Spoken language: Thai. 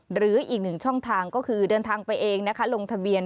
หรืออีกหนึ่งช่องทางก็คือเดินทางไปเองนะคะลงทะเบียน